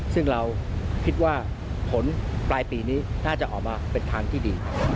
ซึ่งเราคิดว่าผลปลายปีนี้น่าจะออกมาเป็นทางที่ดี